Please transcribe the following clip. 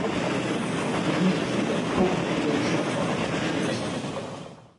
Через месяц опять в полк, да ещё с позором, с треском.